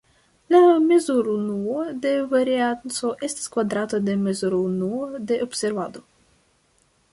La mezurunuo de varianco estas kvadrato de mezurunuo de observado.